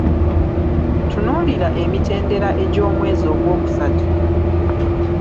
Tunuulira emitendera egy’omwezi ogwokusatu.